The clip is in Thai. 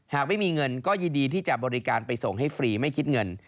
หากไม่มีเงินก็ยินดีที่จะบริการไปส่งให้ฟรีไม่คิดเงิน